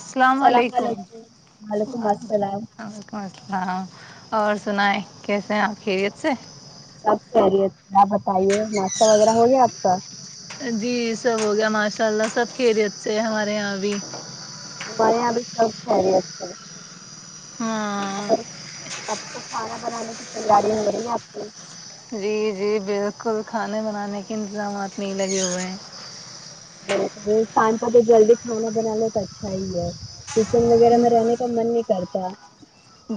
السلام علیکم وعلیکم السلام اور سنائ کیسے ہیں آپ خیریت سے سب خیریت کیا بتائیے ناشتہ وغیرہ ہو گیا آپ کا جی سب ہو گیا ماشاء اللہ سب خیریت سے ہمارے یہاں بھی ہمارے یہاں بھی سب خریی سے ہاں اور تب تک کھانا بنانے کی تیاری ہو رہی ہیں آپ کی جی جی بالکل کھانے بنانے کے انتظامات نہیں لگے ہوئے ہیں [unintelligible] کچن وغیرہ میں رہنے کا من نہیں [unintelligible]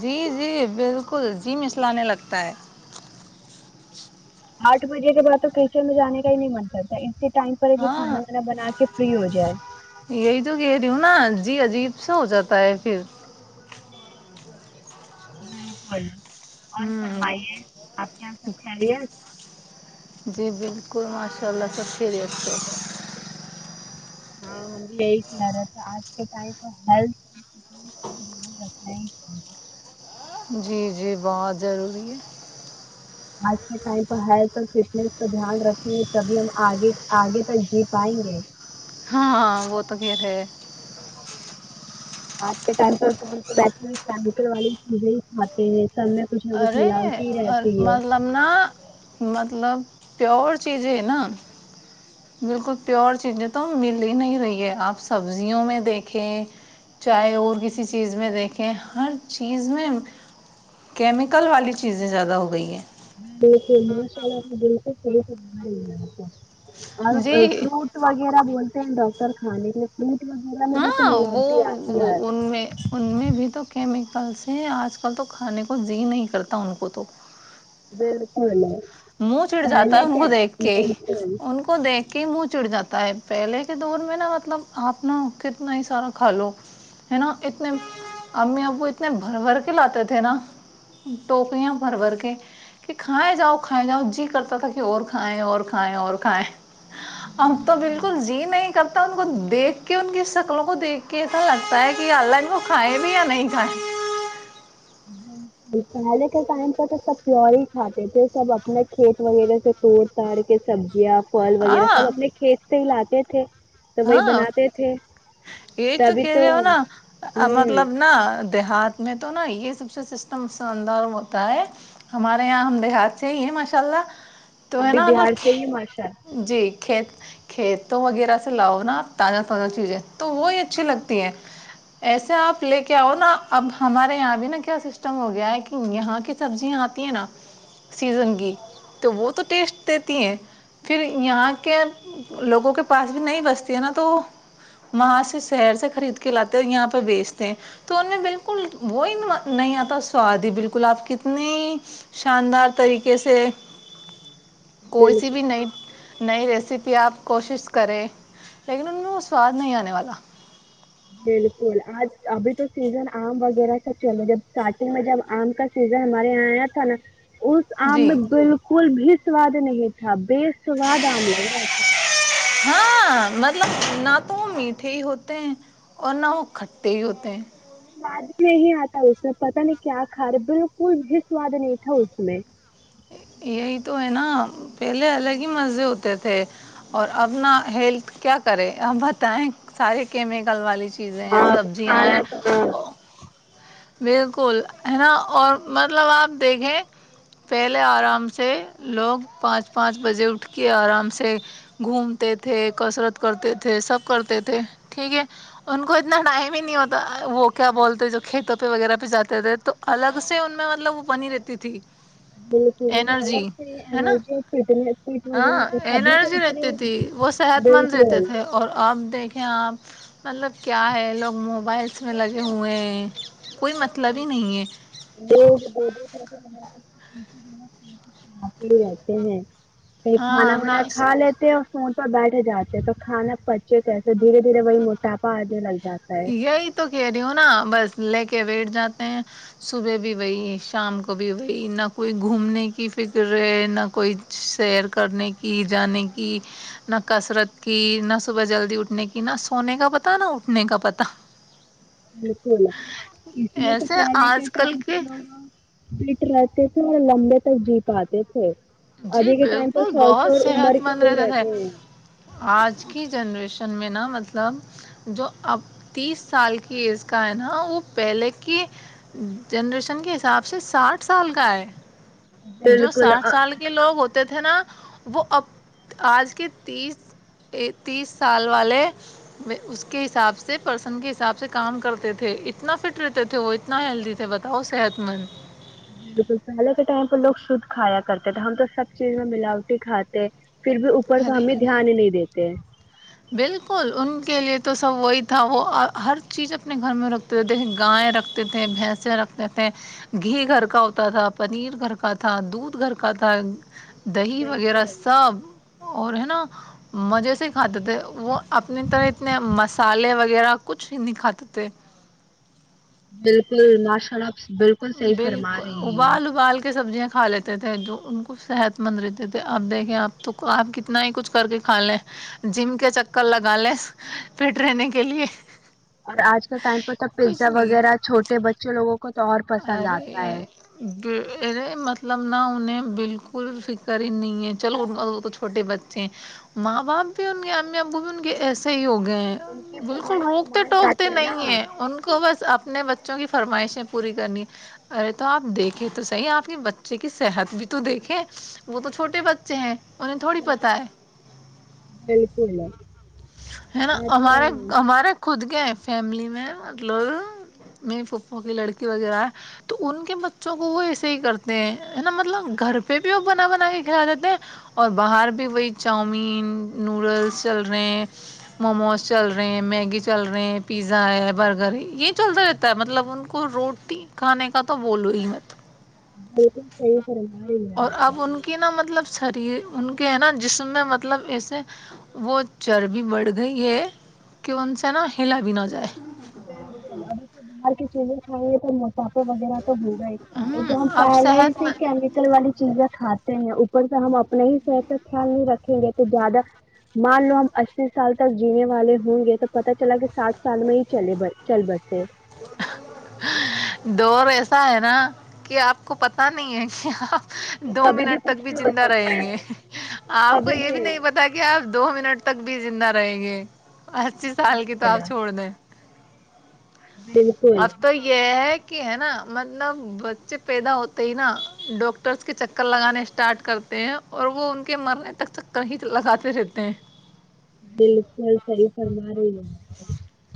جی جی بالکل جی مسلانے لگتا ہے آٹ بجے کے بعد تو کرچن میں جے کا ہی نہیں من کرتا اسی ٹائم پر ہے کہ ہاں کھانا وانا بنا کے فری ہو جائے یہ تو کہ دوں نا جی عجیب سا ہو جاتا ہے پھر بال کو اور ہوں فرمائیے آپ کیا سب خلر شکل ماشاء اللہ سب شری اے ہاں یہی خیا رہ تھا آج کے ٹائم تو ہی ف دھیان رکھنا ہی چاہیے جی جی بہت ضروری ہے آج کے ٹائم پر ہیلتھ اور فٹنیس پر دھیان رکھیں گے تبھی ہم آگے آگے تک جی پائیں گے ہاں ہاں وہ تو گھیر ہے آج کے ٹائم پر تو بیٹھ فم والی چیزیں ہی کھاتے ہیں سب میں کچھ نہ کچھ ارے ملاوٹی ہی رہتی ہے مطلب نا مطلب پیور چیزیں نا بالکل پیور چیزیں تو مل ہی نہیں رہی ہے آپ سبزیوں میں دیکھیں چاہے اور کسی چیز میں دیکھیں ہر چیز میں کیمیکل والی چیزیں زیادہ ہو گئی ہیں ماشاء اللہ بکل طریق ب لیاتا ہیں اور جی فروٹ وغیرہ بول ڈاکٹر کھانے کے پ ہاں وہ ان میں ان میں بھی تو کہ آ کل سے آج کل تو کھانے کو زی نہیں کرتا ان کو تو بیر کو [inaudible] منہ چڑ جاتا ہے ان کو دیکھ کے بالکل ان کو دیکھ کہ منہ چڑ جاتا ہے پہلے کے دور میں نا مطلب آپ نا کتنا ہی سارا کھا لو ہے نا اتنے امی ابو اتنے بھر بھر کے لاتے تھے نا ٹوکیاں بھر بھر کے کہ کھائے جاؤ کھائے جاؤ جی کرتا تھا کہ اور کھائیں اور کھائیں اور کھیں ہم تو بالکل زی نہیں کرتا ان کو دھ کے ان کی شکلوں کو دیکھ کے ایسا لگتا ہے کہ اللہ وہ کھائے بھی یا نہیں کھیں پہلے کے ٹائم پہ تو سب پیور ہی کھاتے تھے سب اپنے کھیت وغیرہ سے توڑ تاڑ کے سبزیاں فل وغیرہ سب ہاں اپنے کھیت سے ہی لاتے یہ تھے [inaudible] وہی ہاں بناتے تھے یہ تو کہہ رہے ہو نا ہوں مطلب نا دیہات میں تو نا یہ سب سسٹم اندر ہوتا ہے ہمارے یہاں ہم دیہات سے ہی ہیں ماشاء اللہ تو ہم ہے بھی نا بہار سے ہی ماشاء مطلب جی کھیت کھیت وغیرہ ہی ا ایسے آپ آ ن ہمارے یہ سیا سی ٹیس دیتی ہیںھر یہ کے لوگا نہیں بچتی ہے نا تو وہاں سے شہر سے خرید کے لاتے یہاں پہ بیچتے تو ان میں بالکل وہ نہیں آتا سواد ہی بالکل آپ کتنی شاندار طریقے سے کو س بالکل بھی نہیں نئی ریسیپی آپ کوشش کرے لیکن ان میں وہ سواد نہیں آنے والا بالکل آج ابھی تو سیزن آم وغیرہ کا چل رہا ہے جب اسٹارٹنگ میں جب آم کا سیزن ہمارے یہاں آیا تھا نا اس آم جی بالکل بھی سواد نہیں تھا بے سواد آم لگ رہا تھا ہاں مطلب نہ تو وہ میٹھے ہی ہوتے ہیں اور نہ وہ کھٹے ہی ہوتے ہیں [unintelligible] سواد ہی نہیں آتا اس میں پتا نہیں کیا کھا رہے بالکل بھی سواد نہیں تھا اس میں [unintelligible] یہی تو ہے نا پہلے الگ ہی مزے ہوتے تھے اور ابنا ہیلتھ کیا کرے ا بتائیں سارے کیمیکل والی چیزیں ہیں ہاں سبزیاں ہیں کھانا تھا بالکل ہے نا اور مطلب آپ دیکھیں پہلے آرام سے لوگ پانچ پانچ بجے اٹھ کے آرام سے گھومتے تھے کسرت کرتے تھے سب کرتے تھے ٹھیک ہے ان کو اتنا ٹائم ہی نہیں ہوتا وہ کیا بولتے جو کھیتوں وغیرہ پہ جاتے تھے تو الگ سے ان میں مطلب وہ بنی رہتی تھی بالکل میں الگ ارجی سے ہے نا انرجی فٹنس فٹ ہاں وغیرہ تبھی تو ارجی اتنے رہتی تھی وہ صحت مند رہتے بالکل تھے اور اب دیکھیں آپ مطلب کیا ہے لوگ موبائلس میں لگے ہوئے ہیں کوئی مطلب ج ہی نہیں ہے لوگ ب ایسے بنا سکتے [inaudible] سناتے ہی رہتے ہیں [inaudible] کہیں ہاں کھانا نہ وانا کھا لیتے ہو فون پر بیٹھے جاتے ہیں تو کھانا پچے کیسے دھیرے دھیرے وہی موٹاپا آگے لگتا یہی تو کہہ رہے ہو نا بس لے کے بیٹھ جاتے ہیں صبح بھی وہی شام کو بھی وہی نہ کوئی گھومنے کی فکر ہے نہ کوئی سیر کرنے کی جانے کی نہ کسرت کی نہ صبح جلدی اٹھنے کی نہ سونے کا پتہ نہ اٹھنے کا پتہ کتا وپول اسس ایسے پال کے آج کل ٹائم کے لوگ وٹ ل کے لمبے تک جی پ آتے تھے جی ابھی کے ٹائم پر بالکل سو سو بہت عمر صحت کے مند لوگ رہتا تھاے رہتے ہیں آج کی جنریشن میں نا مطلب جو اب تیس سال کی ایج کا ہے نا وہ پہلے کی جنریشن کے حساب سے ساٹھ سال کا ہے جو بالکل ساٹھ آ سال کے لوگ ہوتے تھے نا وہ اب آج کے تیس تیس سال والے اس کے حساب سے پرسن کے حساب سے کام کرتے تھے اتنا فٹ رہتے تھے وہ اتنا ہیلدی تھے بتاؤ صحت مند بالکل پہلے کے ٹائم پہ لوگ شھ کھایا کرتے تھے ہم تو سب چیز میں ملاوٹی کھاتے پھر بھی اوپر کا ارے ہمیں دھیان ہی نہیں دیتے [inaudible] بالکل ان کے لیے تو سب وہی تھا وہ ہر چیز اپنے گھر میں رکھتے تھے گائیں رکھتے تھے بھینسیں رکھتے تھے گھی گھر کا ہوتا تھا پنیر گھر کا تھا دودھ گھر کا تھا دہی وغیرہ بالکل سب اور ہے نا مزے سے ہی کھاتے تھ وہ اپنی طرح اتنے مسالے وغیرہ کچھ نہیں کھاتے تھے بالکل ماشارا بالکل صحیح فرما بالکل رہی ہیں ابال ابال سبزیاں کا لیتے تھے جو ان کو صحت مند رہتے تھے اب دیکھیں آپ تو آپ کتنا ہی کچھ کر کے کھا لیں جم کے چکر لگا لیں فٹ رہنے کے لیے اور آج کے ٹائم پر تو کچھ پیزا نہیں وغیرہ چھوٹے بچے لوگوں کو تو اور پسند ارے آتا ہے اے مطب مطلب نہ انہیں بالکل فکر ہی نہیں ہے چلو وہ تو چھوٹے بچے ہیں ماں باپ بھی ان کے امی ابو بھی ان کے ایسے ہی ہوگے گئے ان کی بالکل فرمائش کو روکتے مان ٹوکتے جاتے نہیں ہیں نا ان کو بس اپنے بچ بچوں کی فرمائشیں پوری کرنی ہے ارے تو آپ دیکھیں تو صحیح آپ کے بچے کی صحت بھی تو دیکھیں وہ تو چھوٹے بچے ہیں انہیں تھوڑی پتہ ہے بلک ہیں ہے نا ہمارے ہمارے خود کہ فیملی میں مطلب میری پھپھا کی لڑکی وغیرہ ہے تو ان کے بچوں کو وہ ایسے ہی کرتے ہیں ہے نا مطلب گھر پہ بھی وہ بنا بنا کے کھلا دیتے ہیں اور باہر بھی وہی چاؤمین نوڈلس چل رہے ہیں موموز چل رہے ہیں میگی چل رہے ہیں پیزا ہے برگر ہے یہ چلتا رہتا ہے مطلب ان کو روٹی کھانے کا تو بولو ہی مت بالکل صحی اور اب ان کی نا مطلب شریر ان کے ہے نا جسم میں مطلب ایسے وہ چربی بڑھ گئی ہے کہ ان سے نا ہلا بھی نہ جائے بالکل ابھی سے بار کی چیزیں [unintelligible] مافا وغیرہ تو ہوگا ہی ہ تو ہم اب پہلے صحت سے مند کیمیکل والی چیزیں کھاتے ہیں ہم اپنے ہی صحت کا خیال نہیں رکھیں گے تو زیادہ مان لو ہم اسی سال تک جینے والے ہوں گے تو پتا چلا کہ سٹھ سال میں ہی چل بسے اور ایسا ہے نا کہ آپ کو پتہ نہیں ہے کہ آپ کہ دو کبھی منٹ تک کچھ بھی ہو زندہ سکتا رہیں ہے، گے آپ کو یہ بھی نہیں پتا کہ آپ دو منٹ تک بھی زندہ رہے گے سال کی تو آپ بالکل، چھوڑ دیں بالکل اب تو یہ ہے کہ ہے نا مطلب بچے پیدا ہوتے ہی نا ڈاکٹرس کے چکر لگانے اسٹارٹ کرتے ہیں اور وہ ان کے مرنے تک چکر ہی لگاتے رہتے ہیں بالکل صحیح فرما رہی ہے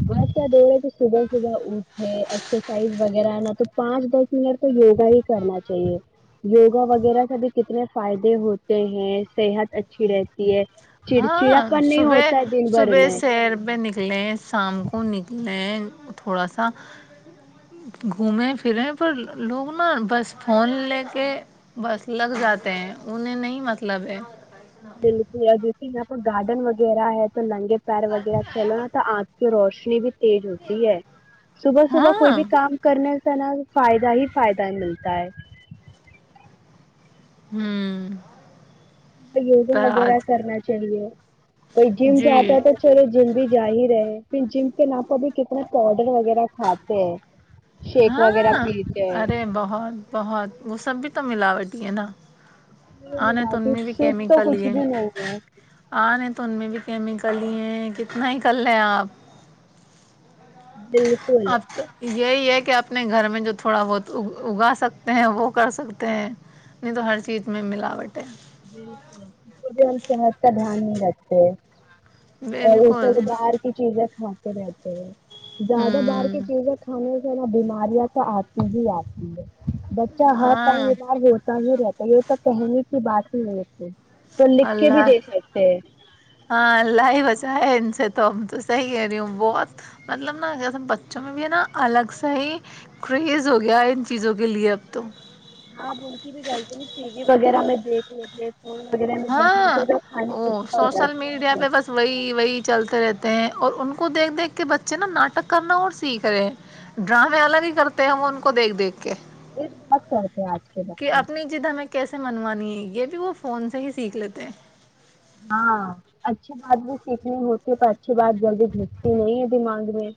بس کیا دوڑے کہ صبح صبح اٹھے ایکسرسائز وغیرہ نہ تو پانچ دس منٹ تو یوگا ہی کرنا چاہیے یوگا وغیرہ سے بھی کتنے فائدے ہوتے ہیں صحت اچھی رہتی ہے چڑچڑا ہاں صبح صبح سیر پہ نکلے شام کو نکلے ن تھوڑا سا گھومیں پھریں پر لوگ نا بس فون لے کے بس لگ جاتے ہیں انہیں نہیں مطلب ہے بالکل اور جیسے یہاں پر گارڈن وغیرہ ہے تو لنگے پیر وغیرہ چلوا تو آ روشنی بھی تیج ہوتی ہے صبح صبح ہاں کوئی بھی کام کرنے اسناح فائدہ ہی فائدہ ملتا ہے ہوں تو یوزنگ وغیرہ آج کرنا چاہیے کوئی جم جاتا جی ہے تھا چورے جم بھی جاہ رہے پھر جم کے نام پر ا بھی کتنا پاؤڈر وغیرہ کھاتے ہیں شیک وغیرہ ہاں پیتے ہیں ارے بہت بہت وہ سب بھی تو ملاوٹ ہے نا آ نے ت ملاوٹی میں بھی کیمی شدھ تو کل کچھ ہے بھی نہیں ہے آ نے تن بھی کیمکلی ہیں کتنا ہیکل رہے آپ بالک اب تو یہی ہے کہ اپنے گھر میں جو تھوڑا بہت اگا سکتے ہیں وہ کر سکتے ہیں نہیں تو ہر چیز میں ملاوٹ ہے بالکل اس کو بھی ہم سمجھتا دھیان نہیں رکھتے اور بالکل اسے باہر کی چیزیں کھ رہتے ہیں زیادہ بار کی ہوں چیزیں کھانے نا بیماریاں تو آتی ہی آتی ہیں بچہ ہر ٹائم ہاں بیمار ہوتا بھی رہتا یہ تو کہنے کی بات لگتے ہے وہ لکھ کے بھی اللہ دے سکتے ہیں چاہے ان سے تو ہم تو صحیح کہہ رہی ہوں بہت مطلب نا کیس بچوں میں بھی ہے نا الگ سےح ہی کریز ہو گیا ہے ان چیزوں کے لیے اب تو ہاں ا ان کی بھی غلطی نہیں ٹی وی وغیرہ میں دیکھ لیتے فون وغیرہ میں دیکھ لیتے ہاں تو کھانے وہ کی اچھا ہو سوشل جاتی ہے ان میڈیا کی پہ بس وہی وہی چلتے رہتے ہیں اور ان کو دیکھ دیکھ کے بچے نا ناٹک کرنا اور سیکھ رہے ہیں ڈرامے الگ ہی کرتے ہیں وہ ان کو دیکھ دیکھ کے یہ تو بت کرتے ہیں آج کے کہ بچے اپنی جد ہمیں کیسے سے منوانی ہے یہ بھی وہ فون سے ہی سیکھ لیتے ہیں ہاں اچھی بات بھی سیکھنی ہوتی ہے پر اچھی بات جلدی بھیجتی نہیں ہے دماغ میں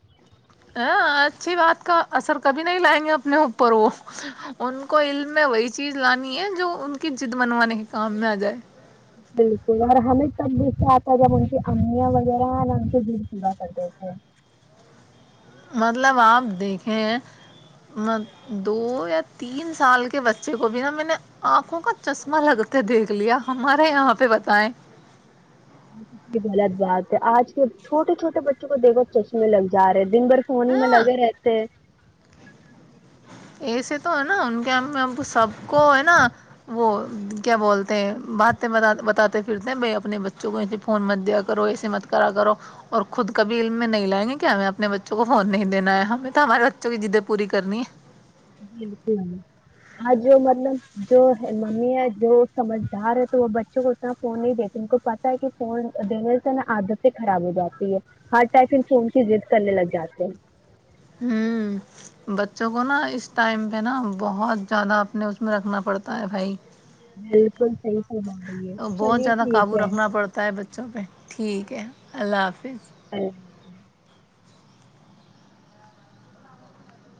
ا اچھی بات کا اثر کبھی نہیں لائیں گے اپنے اوپر وہ ان کو علم میں وہی چیز لانی ہے جو ان کی جضد بنوانے کے کام میں آ جائے بالکل اور ہمیں تب بھی سے آتا جب ان کی امیاں وغیرہ ن ان کے دل پورا کر دی تھے مطلب آپ دیکھے ہیں دو یا تین سال کے بچے کو بھی نا میں نے آنکھوں کا چشمہ لگتے دیکھ لیا ہمارے یہاں پہ بتائے کی غلط بات ہے آج کے چھٹے چھوٹے بچوں کو دیکھو چشمے لگ جا رہے تھ دن بھر فون ہی میں ہاں لگے رہتے ہیں ایسے تو ہے نا ان کے ہم ہم سب کو ہے نا وہ کیا بولتے ہیں باتیں بتاتے پھرتے ہیں بائی اپنے بچوں کو ایسے فون مت دیا کرو ایسے مت کرا کرو اور خود کبھی علم میں نہیں لائیں گے کہ ہمیں اپنے بچوں کو فون نہیں دینا ہے ہمیں تو ہمارے بچوں کی جدیں پوری کرنی ہے بالکل آج مطلب جو ہے ممی ہے جو سمجھدار ہے تو وہ بچوں کو اتنا فون نہیں دیتی ان کو پت ہے کہ فون دینے سے نا عادتیں خراب ہو جاتی ہے ہر ٹائ پ فون کی ضد کرنے لگ جاتے ہیں ہوں بچوں کو نا اس ٹائم پہ نا بہت زیادہ اپنے اس میں رکھنا پڑتا ہے بھائی بالکل صحی فرما رہی ہے بہت چلیے زیادہ ٹھیک قابو ہے اوھیک ہے اللہ حافظ ہاں